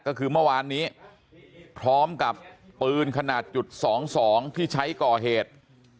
ก็คือเมื่อวานนี้พร้อมกับปืนขนาดจุด๒๒ที่ใช้ก่อเหตุ